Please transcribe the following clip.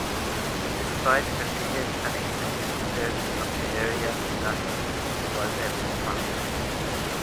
Despite repeated and extensive searches of the area nothing was ever found.